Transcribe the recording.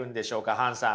ハンさん。